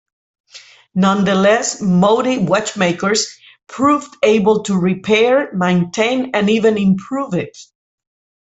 Nonetheless, Motie Watchmakers proved able to repair, maintain, and even "improve" it.